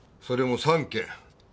それも３件。